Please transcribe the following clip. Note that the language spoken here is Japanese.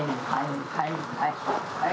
はい